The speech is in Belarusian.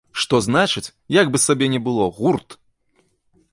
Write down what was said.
Што значыць, як бы сабе ні было, гурт!